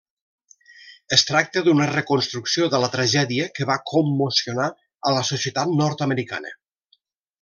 Es tracta d'una reconstrucció de la tragèdia que va commocionar a la societat nord-americana.